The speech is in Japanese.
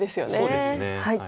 そうですね。